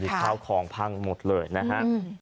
บริเทศของพังหมดเลยนะฮะ